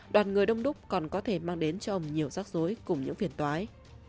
đoàn người đông đúc còn có thể mang đến cho ông nhiều rắc rối cùng những phiền toái